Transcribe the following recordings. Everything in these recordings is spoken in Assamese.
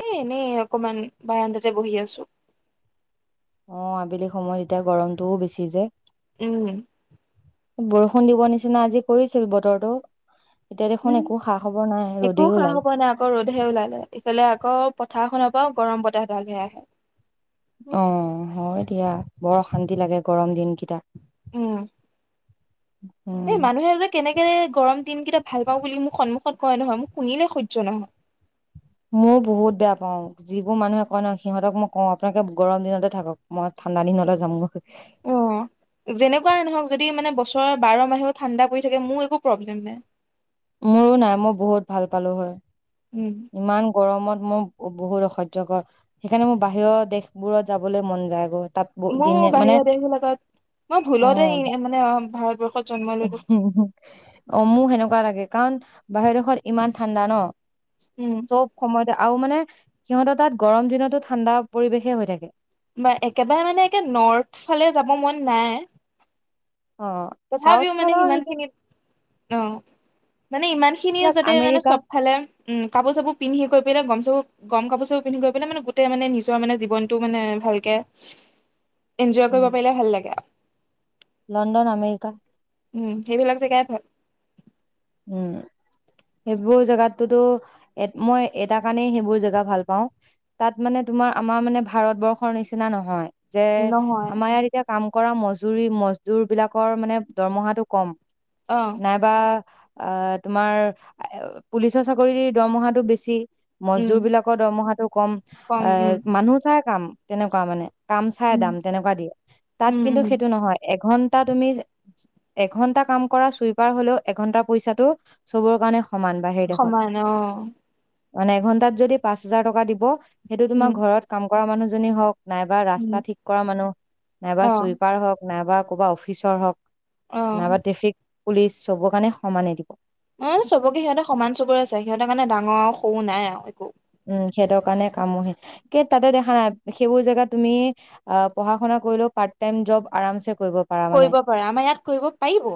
এ এনেই অকমান বাৰন্দাতে বহি আছো। অ', আবেলি সময়ত এতিয়া গৰমটোও বেছি যে। উম। বৰষুণ দিব নিচিনা আজি কৰিছিল বতৰটো এতিয়া দেখোন উম, একো খা খবৰ নাই একো ৰ'দেই খা ওলাল হ'ব নাই আকৌ ৰ'দহে ওলালে, ইফালে আকৌ পথাৰখননৰ বা গৰম বতাহডালহে আহে। অ', হয় দিয়া, বৰ অশান্তি লাগে গৰম দিনকেইটা। এ, উম মানুহে যে কেনেকে গৰম দিনকেইটা ভাল পাওঁ বুলি মোক সন্মুখত কোৱা নহয়, মোক শুনিলে সহ্য নহয়। ময় বহুত বেয়া পাওঁ যিবোৰ মানুহে কয় নহ সিহঁতক মই কওঁ আপোনালাকে গৰম দিনতে থাকক, মই ঠাণ্ডা দিনতে যামগৈ। অ যেনেকুৱাই নহওক যদি মানে বছৰৰ বাৰ মাহেও ঠাণ্ডা পৰি থাকে মোৰ একো প্ৰব্লেম নাই। মোৰো নাই মই বহুত ভাল পালো হয়। উম ইমান গৰমত মই বহুত অসহ্যয়কৰ, সেইকাৰণে মোৰ বাহিৰৰ দেশবোৰত যাবলৈ মন যায় আগত। মোৰ বাহিৰৰা দেশ বিলাকত, মই ভুলতে মানে ভাৰতবৰ্ষত জন্ম ললো হোম-হোম অমু সেনেকুৱা লাগে। কাৰণ বাহিৰৰখন ইমান ঠাণ্ডা ন? উম চব সময়ত আ মানে সিহঁতৰ তাত গৰম দিনতো ঠাণ্ডা পৰিৱেশে হৈ থাকে। বা একেবাৰে মানে একে নৰ্থ ফালে যাব মন নাই। অ চাউথ তথাপিও মানে ফালৰ সিমানখিনিত অ মানে ইমান খিনিয়ও সেইবিলাক যাতে মানে আমেৰিকা চব ফালে উম কাপোৰ চাপোৰ পিন্ধি কৰি বিলাক গম চাপ গম কাপোৰ চব পিন্ধি গৈ পেলাই মানে গোটেই মানে নিজৰ মানে জীৱনটো মানে ভালকে এনজয় কৰিব উম পাৰিলে ভাল লাগে আ লণ্ডন আমেৰিকা উম সেইবিলাক জেগাই ভাল উম সেইবোৰ জেগাতটোতো মই এটা কাৰণেই সেইবোৰ জেগা ভাল পাও তাত মানে তোমাৰ আমাৰ মানে ভাৰতবৰ্ষৰ নিচিনা নহয় যে নহয় আমাৰ ইয়াৰ এতিয়া কাম কৰা মজুুৰৰি মজুৰ বিলাকৰ মানে দৰমহাটো কম অ নাইবা অ তোমাৰ পুলিচৰ চাকৰিৰ দৰমহাটো বেছি উম মজদুৰ বিলাকৰ দৰমহাটো কম কম এ উম মানুহ চাই কাম তেনেকুৱা মানে কাম চাই উম দাম তেনেকুৱা দিয়ে তাত উম কিন্তু উম সেইটো নহয় এঘন্টা তুমি এঘণ্টা কাম কৰা চুইপাৰ হলেও এঘণ্টা পইচাটো চবৰ কাৰণে দেশত সমান অহ মানে এঘণ্টাত যদি পাঁচ হোজাৰ টকা দিব সেইটো তোমাৰ উম ঘৰত কাম মানুহজননে হওক নাইবা ৰাস্তা উম ঠিক কৰা মানুহ নাইবা অ চুইপাৰ হওক নাইবা ক'ৰবা অফিচৰ হওক অ নাইবা টেফিক পুলিচ চবৰ কাৰণে সমানেই দিব। অ', চবকে সিহঁতে সমান চবৰে আছে সিহঁতেৰ মানে ডাঙৰ সৰু নাই আৰু একো। উম সেইটোৰ কাৰণে কামহীন কে তাতে দেখা নাই সেইবোৰ জেগাত তুমি অ', পঢ়া শুনা কৰিলেও পাৰ্ট টাইম জব আৰাম চে কৰিব পাৰে আমাৰ ইয়াত কৰিব পাৰিব।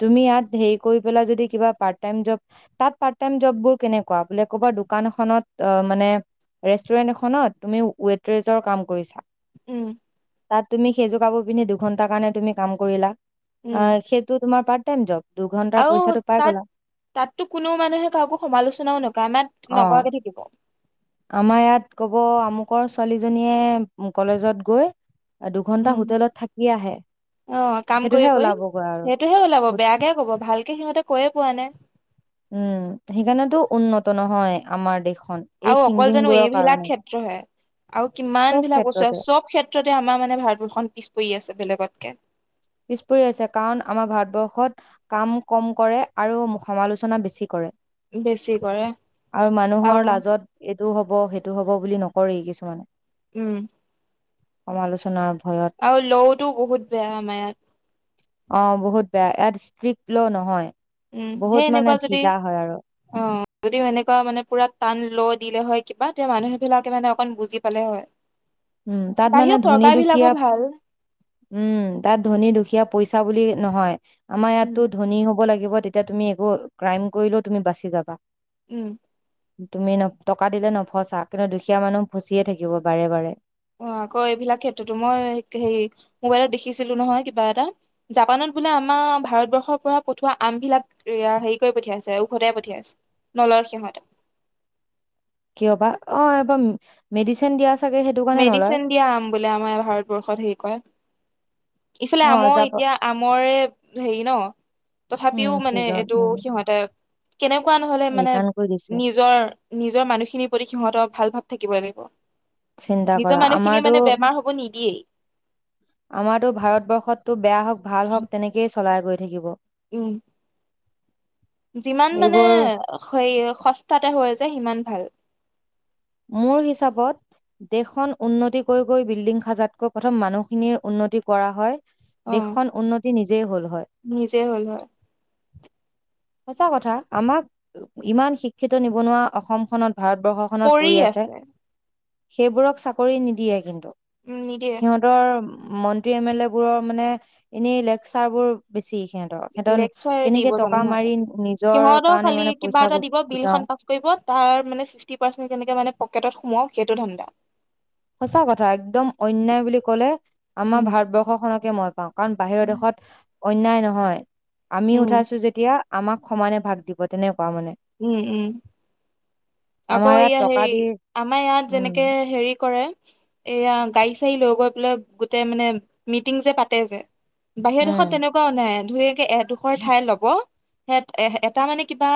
তুমি ইয়াত হেৰি কৰি পেলাই যদি কিবা পাৰ্ট টাইম জব তাত পাৰ্ট টাইম জব বোৰ কেনেকুৱা মানে ক'বাত দোকান এখনত অ', মানে ৰেষ্টুৰেন্ট এখনত তুমি ৱেটৰেজৰ কাম কৰিছা। উম। তাত তুমি সেইজোগাব পিন্ধি দুঘণ্টাৰ কাৰণে তুমি কাম কৰিলা। উম অ', সেইেতটো তোমাৰ পাৰ্ট কেনজম। আৰু তাত তাততো কোনোও মানুহে কাকো সমালোচনাও নকৰে আমাক অ নকৰাকে থাকিব। আমাৰ ইয়াত ক'ব আমুকৰ ছোৱালীজনীয়ে কলেজত গৈ দুঘন্টা উম, হোটেলত থাকি আহে আহ কাম সেইটোহে কৰি কৰি ওলাবগৈ আৰু সেইটোহে ওলাব বেয়াকেহে ক'ব ভালকে সিহঁতে কৈয়ে পোৱা নাই। উম, সেইকাৰণেতো উন্নত নহয় আমাৰ দেশত। আৰু অকল জানো এইবিলাক ক্ষেত্ৰহে। আৰু কিমান চব বিলাক বচোৱা আৰু ক্ষেত্ৰতে চব ক্ষেত্ৰত আমাৰ মানে ভাৰতবৰ্ষখন পিছ পৰি আছে বেলেগতকে। পিছ পৰি আছে কাৰণ আমাৰ ভাৰতবৰ্ষত কাম কম কৰে আৰু আমাক সমালোচনা বেছি কৰে। বেছি কৰে আৰু মানুহৰ লাজত এ সেইটো হ'ব সেইটো হ'ব বুলি নকৰে কিছুমানে। উম। সমম সমালোচনা আৰু লৌ বহুত বেয়া আমাৰ ইয়াত। অ', বহুত বেয়া ইয়াত ষ্ট্ৰিক্ট ল' নহয়। উম বহুত মানে ধীলা হয় আৰু। যদিও সেনেকুৱা মানে পুৰা টান ল' দিলে হয় কিবা তেতি মানুহ বিলাকে মানে অকন বুজি পালে হয়। উম, তাত মানে বাহিৰৰ ধনী চৰকাৰ বিলাকো দুখীয়া ভাল উম, তাত ধনী দুখীয়া পইচা বুলি নহয়। আমাৰ উম ইয়াতো ধনী হ'ব লাগিব। তেতিয়া তুমি একো ক্ৰাইম কৰিলেও তুমি বাচি যাবা। উম। তুমি ন' টকা দিলে নফচা কিন্তু দুখীয়া মানুহ ফচিয়ে থাকিব বাৰে বাৰে। অ', আকৌ এইবিলাক ক্ষেত্ৰতো মই হেৰি মোবাইলত দেখিছিলো নহয় কিবা এটা জাপানত বোলে আমাৰ ভাৰতবৰ্ষৰ পৰা পঠোৱা আমবিলাক হেৰি কৰি পঠিয়াইছে উওভটাই পঠিয়াইছে নলৰ সিহঁতে। কিয় বা অ', এবাৰ মেডিচিন দিয়া আছে। মেডিচিন দিয়া আম বোলে আমাৰ ভাৰতবৰ্ষত হে কয়। ইফালে অ আমৰ যাব এতিয়া আমৰে হেৰি ন' উম তথাপিও মানে ছিজন এইটো উম সিহঁতে কেনেকুৱা নহলে মানে ৰিটাৰ্ণ কৰি দিছে নিজৰ নিজৰ মানুহখিনিৰ প্ৰতি সিহঁত ভাল ভাৱ থাকিব লাগিব চিন্তা নিজৰ কৰা মানুহখিনি আমাৰতো মানে বেমাৰ হব নিদিয়েই আমাৰতো ভাৰতবৰ্ষতটো বেয়া হওঁক ভাল হওক তেনেকেই চলাই গৈ থাকিব উম যিমান মানে এইবোৰ সেই সস্তাতে হৈ যায় সিমান ভাল মোৰ হিচাপত দেশখন উন্নতি কৰি গৈ বিল্ডিং সাজাতকৈ প্ৰথম মানুহখিনিৰ উন্নতি কৰা হয় অ দেশখন উন্নতি নিজেই হ'ল হয় নিজে হ'ল হয় সচাঁ কথা, আমাক ইমান শিক্ষিত নিবনুৱা অসমখনত ভাৰতবৰ্ষখনত কৰি আছে। সেইবোৰক চাকৰি নিদিয়ে কিন্তু। উম নিদিয়ে সিহঁতৰ মন্ত্ৰী এম এল এ বোৰৰ মানে এনেই লেকচাৰ বোৰ বেছি সিহঁতৰ সিহঁতৰ লেকচাৰ কেনেকে দিব টকা জানে মাৰি সিহঁতে। নিজৰ সিহঁতৰ কাৰণে খালী মানে কিবা পইচা গো এটা দিব, বিল গোটাও খন পাঁচ কৰিব, তাৰ মানে ফিফটি পাৰ্চেন্ত কেনেকে মানে পকেটত সোমাও সেইটো ধানন্দা। সঁচা কথা, একদম অন্যায় বুলি কলে আমাৰ উম ভাৰতবৰ্ষখনকে মই পাওঁ, কাৰণ বাহিৰৰ দেশত অন্যায় নহয়। আমি উম উঠাইছো যেতিয়া আমাক সমানে ভাগ দিব তেনেক উম-উম আকৌ আমাৰ ইয়াত ইয়া টকা হেৰি, দি আমাৰ ইয়াত যেনেকে উম হেৰি কৰে এয়া গাড়ী চাড়ী লৈ গৈ পেলাই গোতেই মানে মিটিং যে পাতে যে বাহিৰৰ দেশত উম তেনেকুৱও নাই। ধুয়াকে এডোখৰ ঠাই লব, স এ এটা মানে কিবা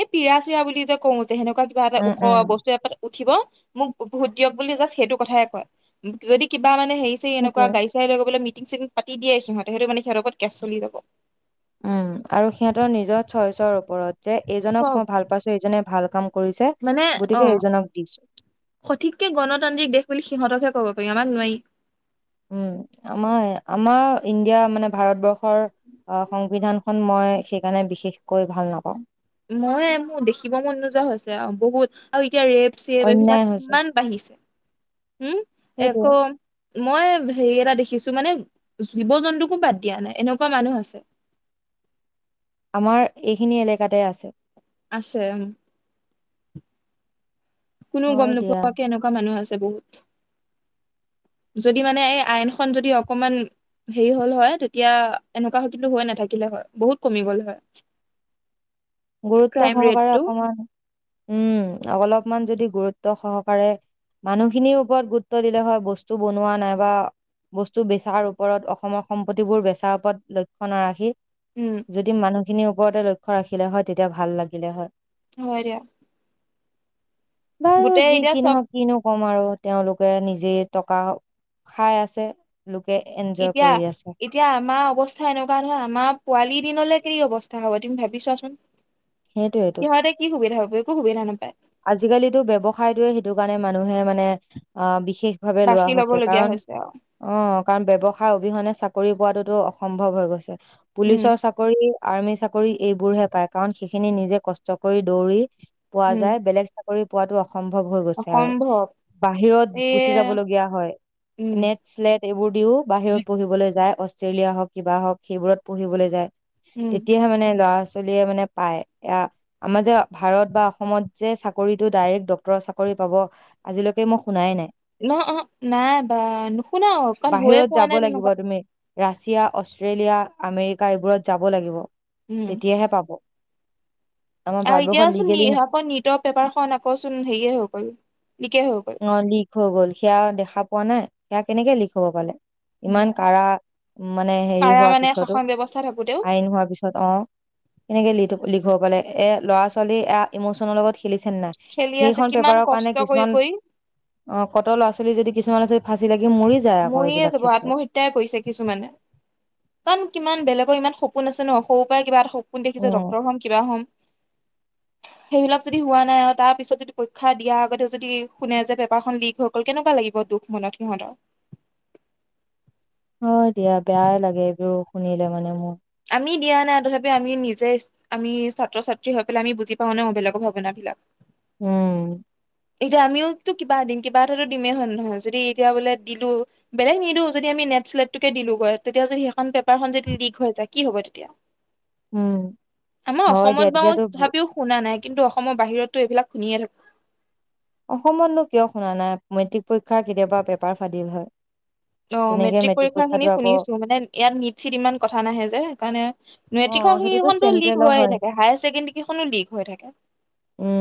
এই পিৰা চিৰা বুলি যে কওঁ যে সেনেকুৱা উম ওখোৱা উম বস্তু এ উঠিব মোক ভোত দিয়ক বুলি জা সেইটো কথাই কয়, যদি কিবা মানে হেৰী চাৰি এনেকুৱা সেইটোৱে গঢ়ি-চাৰি লৈগৈবলৈ মিতিং মিতিং চিতিং পাতি দিয়ে সিহঁতে, সেই মানে সিহঁৰত ওপৰত কেচ চলি যাব। উম, আৰু সিহঁতৰ নিজৰ চয়চৰ ওপৰত যে এইজনক চব মই ভাল পাইছো এইজনে ভাল কাম কৰিছে মানে, গতিকে অ', এইজনক দিছো সঠিককে গণতান্ত্ৰিক দেশ বুলি সিহঁতকহে ক'ব পাৰ আমাক নোৱাৰি। উম, আমাৰ-আমাৰ ইণ্ডিয়া মানে ভাৰতবৰ্ষ সংবিধানখন মই সেইকাৰণে বিশেষকৈ ভাল নাপাওঁ। মই মোৰ দেখিব মন নোযোৱা হৈছে আৰু বহুত, আৰু এতিয়া ৰেপ এইবিলাক অন্যায় হৈছে কিমান বাঢ়িছে, উম? সেইটোৱে আকৌ মই হেৰি এটা দে কিছু মানে জীৱ-জন্তুকো বাদ দিয়া নাই, এনেকুৱা মানুহ আছে। আমাৰ এইখিনি এলেকাতে আছে। আছে উম। কোননেও গম হয় দিয়া নোপোৱাকে এনেকুৱা মানুহ আছে। যদি মানে এই আইনখন যদি অকমান হেৰি হ'ল হয়, তেতিয়া এনেকুৱা হয় কিন্তু হৈ নাথাকিলে হয় বহুত কমি গ'ল হয়। গুৰুত্ব ক্ৰাইম সহকাৰে ৰেটটো অকমান উম, অলপমান যদি। গুৰুত্ব সহকাৰে মানুহখিনিৰ ওপৰত গুৰুত্ব দিলে হয় বস্তু বনোৱা নাইবা বস্তু বেচাৰ ওপৰত অসমৰ সম্পত্তিবোৰ বেচাৰ ওপৰত লক্ষ্য নাৰাখি। উম যদি মানুহ মানুখিনিৰ ওপৰতে লক্ষ্য ৰাখ থাকিলে হয় তেতিয়া ভাল লাগিলে হয়। হয় দিয়া। বাৰু গোটেই যি এতিয়া চব কিনক কিনো কম। মই আৰু তেওঁলোকে নিজে টকা খাই আছে। এনজয় এতিয়া, কৰি আছে এতিয়া আমাৰ অৱস্থা এনেকুৱা নহয় আমাৰ পোৱালি দিনলে কি অৱস্থা হ'ব তুমি ভাবিছোৱাচোন? সেইটোৱেটো সিহঁতে কি সুবিধা হব একো সুবিধা নাপায়। আজিকালিতো ব্যৱসায়টোয়ে সেইটো কাৰণে মানুহে মানে অ', বিশষ বিশেষ ভাৱে লোৱা বাছি লব হৈছে লগীয়া কাৰণ হৈছে আৰু অ', কাৰণ ব্যৱসায় অবিহনে চাকৰি পোৱাতটোতো অসম্ভৱ হৈ গৈছে। উম পুলিচৰ চাকৰি আৰ্মি চাকৰি এইবোৰহে পায় কাৰণ সেইখিনি নিজে কষ্ট কৰি দৌৰি উম বেলেগ কৰি পোৱাতটো। সম্ভৱ হৈ গৈছে আৰু অসম্ভৱ বাহিৰত গুচি এয়া যাবলগীয়া হয় উম নেট চ্লেট এইবোৰ দিও বাহিৰত পঢ়িবলৈ যায়। অষ্ট্ৰেলিয়া হওঁক কিবা হওঁক সেইবোৰত পঢ়িবলৈ যায়। উম তেতিয়াহে মানে লৰা-ছোৱালী। অষ্ট্ৰিয়া মানে পায় এয়া আমাৰ যে ভাৰত বা অসমত। যে চাকৰিতটো ডাইৰেক্ট ডক্ট্ৰৰৰ চাকৰি পাব আজিলৈকে মই শুনাই নাই। ন' অ', নাই বা নুশুনা অকণ বাহিৰত হৈয়ে পোৱা যাব নাই লাগিব তেনেকুৱা। তুমি ৰাছিয়া অষ্ট্ৰেলিয়া আমেৰিকা এইবোৰত যাব লাগিব উম তেতিয়াহে পাব আমাৰ আৰু ভাৰতবৰ্ষত এতিয়াওচোন লিগেলি আকৌ লিক ত পেপাৰখন আকৌচোন হাৰি হৈ গল নিকেই হৈ গ'ল অ লিক হৈ গ'ল সেয়া দেখা পোৱা নাই সেয়া কেনেকৈ লিক হব পালে ইমান কাৰা মানে হেৰি কাৰা হোৱাৰ মানে পিছতো শাসন ব্যৱস্থা থাকোতেও আইন হোৱাৰ পিছত অ এনেকে লিটু লিখাব পালে এ ল'ৰা ছোৱালী এ ইমচনৰ লগত খেলিছে নাই খেলি আছে সেইখন কিমান পেপাৰৰ কাৰণে কষ্ট কৰি কিছুমান কৰি অ কটৰ লৰা ছোৱালী যদি কিছুমান আ ফাঁচি লাগে ময়ে যাব আত্মহত্যাই কৰিছে কিছুমানে কাৰণ কিমান বেলেগ ইমান সপোন আছে ন সৰুৰ পৰা কিবা এটা সপোন দেখিছে ডক্তহ'ম কিবা হ'ম সেইবিলাক যদি হোৱা নাই আৰু তাৰ পিছত যদি পৰীক্ষা দিয়া আগতে যদি শুনে যে পেপাৰখন লিক হৈ গ'ল কেনেকুৱা লাগিব দুখ মনত সিহঁতৰ। হয় দিয়া বেয়াই লাগে এইবোৰ শুনিলে মানে মোৰ আমি দিয়া নাই তথাপি আমি নিজে আমি ছাত্ৰ ছাত্ৰী হৈ পেলাই আমি বুজি পাওঁ বেলেগৰ ভাৱন বিলাক উম এতিয়া আমিওটো কিবা দিম কিবা এটা দিমে হ নহয় যদি এতিয়া বোলে দিলো বেলেগে নিদি য নেক্সট্ লেট টো দিলো তেতিয়া সেইখন পেপাৰ টো লিক হৈ যায় তেতিয়া কি হব। উম আমাৰ হয় অসমত দিয়া বাওঁ তেতিয়াতো তথাপিও শুনা নাই। কিন্তু অসমৰ বাহিৰতটো এইবিলাক শুনিয়ে থাকো। অসমতনো কিয় শুনা নাই মেট্ৰিক পৰীক্ষা কেতিয়াবা পেপাৰ ফাদিল হয়। অ তেনেকে মেট্ৰিক পৰীক্ষা খিনি পৰীক্ষাটো আকৌ শুনিছো মানে ইয়াত নিট চিত ইমান কথা নাহে যে সেইকাৰণে অ মেট্ৰিকৰ সেইটোতো সেইখনো লীক চেন্ট্ৰেলৰ হৈ হয় থাকে হায়াৰ ছেকেণ্ডৰী খো লিক হৈ থাকে। উম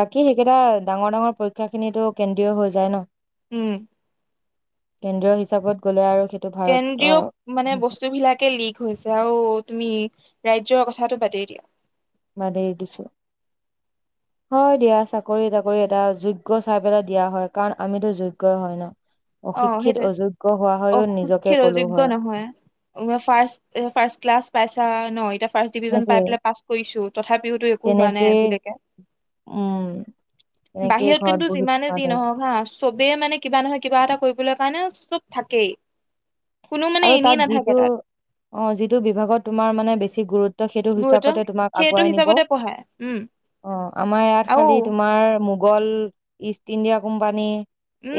বাকী সেইকেইটা ডাঙৰ ডাঙৰ পৰীক্ষা খিনিতো কেন্দ্ৰ হৈ যায় ন। উম কেন্দ্ৰীয় হিচাপত গ'লে আৰু। সেইটো ভাৰতৰ কেন্দ্ৰীয় মানে বস্তু বিলাকে লিক হৈছে তিয়াও তুমি ৰাজ্যয়ৰ কথাটো বাদেই দিয়া। বাদে দিছো হয় দিয়া চাকৰি তাকৰি এটা যোগ্য চাই পেলাই দিয়া হয় কাৰণ আমিতো যোগ্য হয় ন। অ অশিক্ষিত সেইটোৱে অযোগ্য হোৱা হয়ও নিজকে অসুশিত কলো যোগ্য হয় নহয় ফ ফাৰ্ষ ক্লাছ পাই। নয়টা ফাৰ্ষ্ট ডিভিজন পাই সেইটোয়ে পাছ কৰিছো। তথাপিওতো একো হোৱা নাই তেনেকেই আজিলৈকে উম তেনেকেই বাহিৰত ঘৰত কিন্তু বহি যিমানে থকা যি দৰে নহক হা চবেই মানে কিবা নহয়। কিবা এটা কৰিবলৈ কাৰণে চব থাকেই। কোনো মানে আৰু এনেই তাত নাথাকে যিটো তাত অ যিটো বিভাগত তোমাৰ মানে বেছি গুৰুত্ব ত' সেইটো গুৰুত্ব হিচাপতে তোমাক সেইটো আগুৱাই নিব হিচাপতে পঢ়ায় উম অ', আমাৰ ইয়াত আৰু খালি তোমাৰ গল ইষ্ট ইণ্ডিয়া কোম্পানী।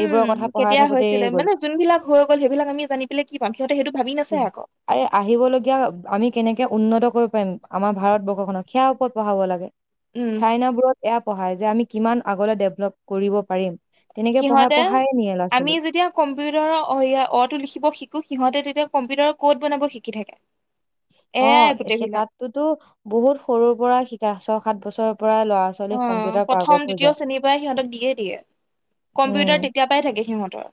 এইবোৰৰ কথা পঢ়াই কেতিয়া থাকোতেই হৈছিলে গ'ল মানে যোন বিলাক হৈ গ'ল সেইবিলাক আমি জানি পেলাই কি পাম সিহঁতে সেইটো ভাবি নাচায় আকৌ আৰে আহিবলগীয়া আমি কেনেকে উন্নত উন্নত কৰিব পাৰিম আমাৰ ভাৰতবৰ্ষখনক সেয়া ওপৰত পঢ়াবা লাগে। উম ছাইনা বোৰত এয়া পঢ়ায় যে আমি কিমান আগলে ডেভলপ কৰিব পাৰিম। তেনেকে পঢ়াই সিহঁতে পঢ়ায়ে নিয়ে ল'ৰা আমি ছোৱালী যেতিয়া কম্পিউটাৰৰ অটো লিখিব শিকো সিহঁতে তেতিয়া কম্পিউটাৰ ক'ত বনাব শিকি থাকে। এয়াই অ' গোটেইবিলাক তাততোতো বহুত সৰুৰ পৰা শিকাই আছ সাত বছৰ অ', প্ৰথম, দ্বিতীয় শ্ৰেণীৰ পৰাই সিহঁতক দিয়েই দিয়ে, উম কম্পিউটাৰ তেতিয়াৰ পৰাই থাকে সিহঁতৰ।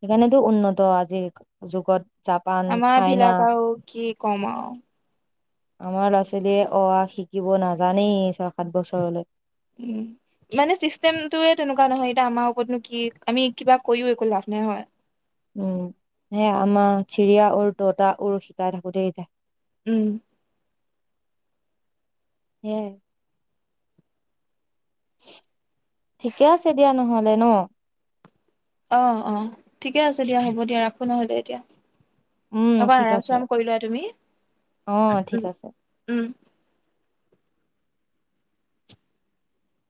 সেইকাৰণেতো উন্নত আজিৰ যুগত জাপান আমাৰ চাইনা ভিলক আৰু কি কমাও। আমাৰ ল'ৰা ছোৱালীয়ে অ আ শিকিব নাজানেই ছয় সাত বছৰলৈ। উম, মানে চিষ্টেমটোয়ে তেনেকুৱা নহয় এতিয়া আমাৰ ওপৰতনো কি আমি কিবা কৰিও একো লাভ নাই হয়। উম, সে আমাৰ চিৰিয়া উৰ ততা উৰ শিকাই থাকোতে যাই। উম। হে ঠিকে আছে দিয়া নহ'লে ন'? অ', অ', ঠিকে আছে দিয়া, হ'ব দিয়া, ৰাখো নহ'লে এতিয়া। উম অকণ ঠিক আৰাম আছে চৰাম কৰি লোৱা তুমি, অ ঠিক উম, আছে উম।